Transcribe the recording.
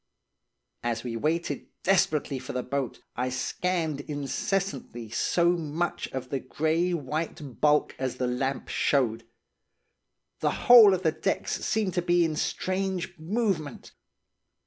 "As we waited desperately for the boat, I scanned incessantly so much of the grey white bulk as the lamp showed. The whole of the decks seemed to be in strange movement.